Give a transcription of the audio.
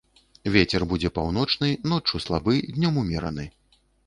Вецер будзе паўночны, ноччу слабы, днём умераны.